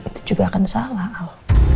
itu juga akan salah